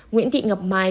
nguyễn thị ngọc mai